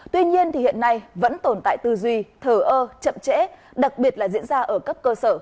tuy nhiên hiện nay vẫn tồn tại tư duy thờ ơ chậm trễ đặc biệt là diễn ra ở cấp cơ sở